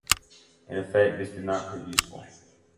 In effect this did not prove useful.